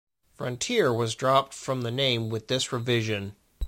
"Frontier" was dropped from the name with this revision.